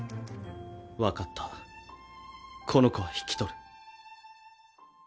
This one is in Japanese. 分かったこの子は引き取る。